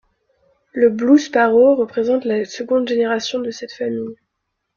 Le Blue Sparrow représente la seconde génération de cette famille.